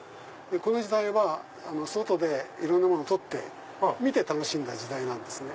この時代は外でいろんなもの取って見て楽しんだ時代なんですね。